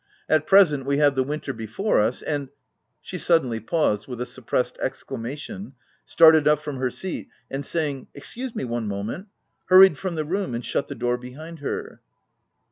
At present we have the winter before us, and— " She suddenly paused, with a suppressed ex clamation started up from her seat, and saying, " Excuse me one moment," hurried from the room, and shut the door behind her.